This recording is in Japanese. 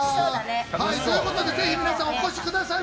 ということで、ぜひ皆さんお越しください。